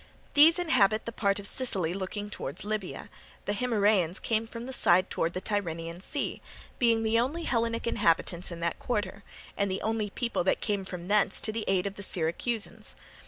These inhabit the part of Sicily looking towards Libya; the Himeraeans came from the side towards the Tyrrhenian Sea, being the only Hellenic inhabitants in that quarter, and the only people that came from thence to the aid of the Syracusans.